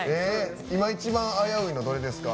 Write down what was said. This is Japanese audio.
今、一番危ういのなんですか？